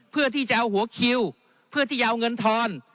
เพื่อที่จะเอาหัวคิวเพื่อที่จะเอาเงินทอน